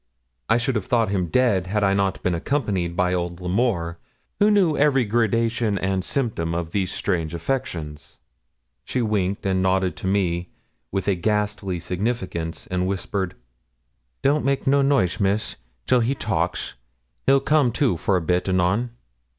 I should have thought him dead, had I not been accompanied by old L'Amour, who knew every gradation and symptom of these strange affections. She winked and nodded to me with a ghastly significance, and whispered 'Don't make no noise, miss, till he talks; he'll come to for a bit, anon.'